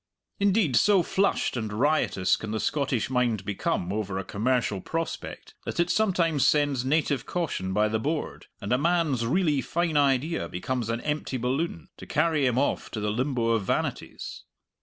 Indeed, so flushed and riotous can the Scottish mind become over a commercial prospect that it sometimes sends native caution by the board, and a man's really fine idea becomes an empty balloon, to carry him off to the limbo of vanities.